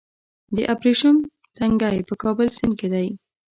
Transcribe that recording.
د ابریشم تنګی په کابل سیند کې دی